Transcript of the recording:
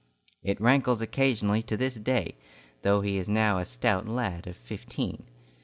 It rankles occasionally to this day, though he is now a stout lad of fifteen.